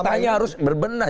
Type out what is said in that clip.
jadi kotanya harus berbenah